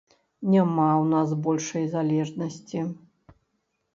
Няма ў нас большай залежнасці.